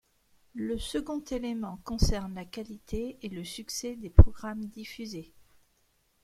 Le second élément concerne la qualité et le succès des programmes diffusés.